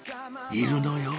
いるのよ